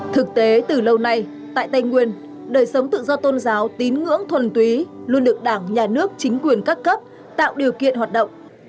thực tế từ lâu nay tại tây nguyên đời sống tự do tôn giáo tín ngưỡng thuần túy luôn được đảng nhà nước chính quyền các cấp tạo điều kiện hoạt động